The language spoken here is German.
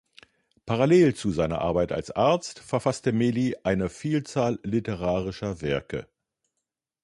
Parallel zu seiner Arbeit als Arzt verfasste Meli eine Vielzahl literarischer Werke.